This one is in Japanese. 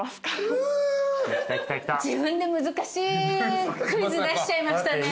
自分で難しいクイズ出しちゃいましたね。